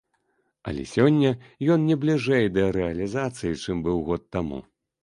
Але сёння ён не бліжэй да рэалізацыі, чым быў год таму.